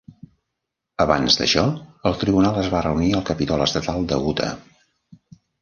Abans d'això, el tribunal es va reunir al Capitol Estatal de Utah.